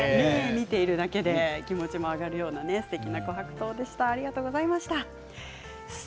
見ているだけで気持ちも上がるようなすてきな、こはく糖でした。